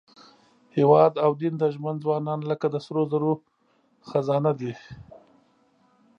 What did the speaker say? هېواد او دین ته ژمن ځوانان لکه د سرو زرو خزانه دي.